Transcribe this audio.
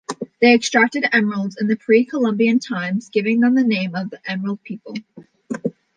They extracted emeralds in pre-Columbian times, giving them the name "The Emerald People".